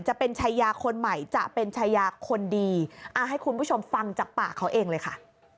จะเป็นชายาคนใหม่จะเป็นชายาคนดีอ่าให้คุณผู้ชมฟังจากปากเขาเองเลยค่ะ